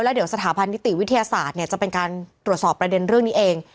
เดี๋ยวสถาบันนิติวิทยาศาสตร์จะเป็นการตรวจสอบประเด็นเรื่องนี้เอง